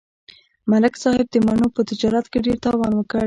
ملک صاحب د مڼو په تجارت کې ډېر تاوان وکړ.